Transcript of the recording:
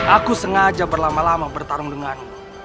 aku sengaja berlama lama bertarung denganmu